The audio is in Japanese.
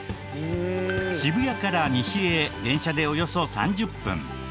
渋谷から西へ電車でおよそ３０分。